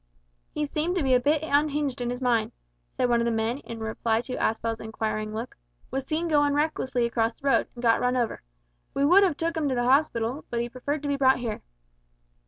"He seemed to be a bit unhinged in his mind," said one of the men in reply to Aspel's inquiring look "was seen goin' recklessly across the road, and got run over. We would 'ave took 'im to the hospital, but he preferred to be brought here."